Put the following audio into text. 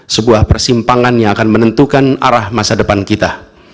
sebuah persimpangan yang akan menentukan arah masa depan kita